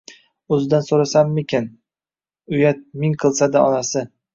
O’zidan so‘rasammikin? Uyat, ming qilsa-da, onasi.